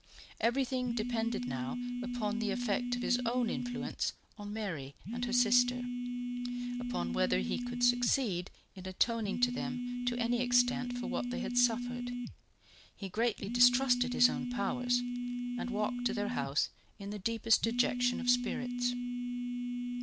Everything depended now upon the effect of his own influence upon Mary and her sister upon whether he could succeed in atoning to them to any extent for what they had suffered. He greatly distrusted his own powers, and walked to their house in the deepest dejection of spirits.